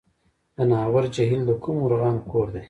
د ناور جهیل د کومو مرغانو کور دی؟